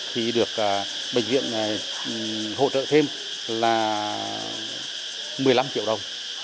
thì được bệnh viện hỗ trợ thêm là một mươi năm triệu đồng